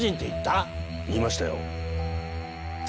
言いましたよ。